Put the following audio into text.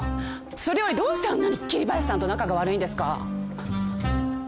それよりどうしてあんなに桐林さんと仲が悪いんですか？